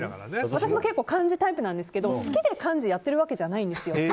私も結構幹事タイプなんですけど好きでやってるんじゃないんです。